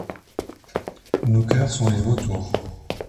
Nos coeurs sont les vautours.